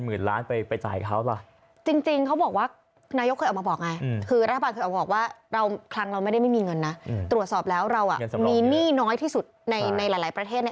อืมนี่แหละมันก็เป็นลดีที่เราต้องตามไปแก้ไขมันต่อไปแหละอืม